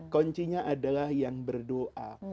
kuncinya adalah yang berdoa